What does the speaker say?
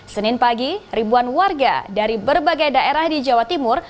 senin pagi ribuan warga dari berbagai daerah di jawa timur